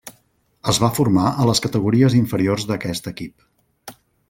Es va formar a les categories inferiors d'aquest equip.